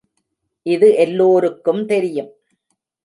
இது எல்லோருக்கும் தெரியும்.